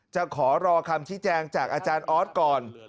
จะขอรอคำชี้แจงจากอาจารย์ออสก่อน